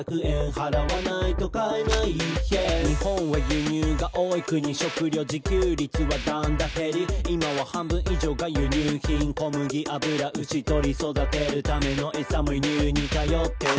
払わないと買えない」「日本は輸入が多い国」「食料自給率はだんだん減り」「いまは半分以上が輸入品」「小麦油牛鶏育てるためのえさも輸入に頼ってる」